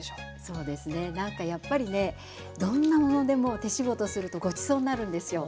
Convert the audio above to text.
そうですねなんかやっぱりねどんなものでも手仕事するとごちそうになるんですよ。